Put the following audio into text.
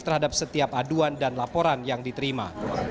terhadap setiap aduan dan laporan yang diterima